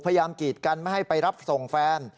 กีดกันไม่ให้ไปรับส่งแฟน